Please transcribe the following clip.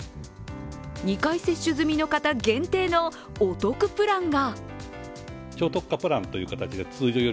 ２回接種済みの方限定のお得プランが。